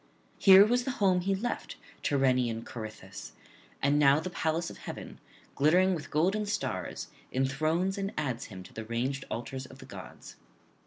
Here was the home he left, Tyrrhenian Corythus; now the palace of heaven, glittering with golden stars, enthrones and adds him to the ranged altars of the gods.'